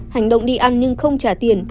hành động đi ăn nhưng không trả tiền